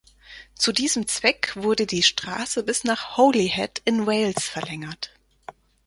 Zu diesem Zweck wurde die Straße bis nach Holyhead in Wales verlängert.